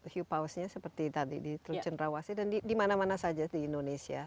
hiu pausnya seperti tadi di teluk cendrawasih dan di mana mana saja di indonesia